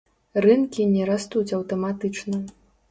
Рынкі не растуць аўтаматычна.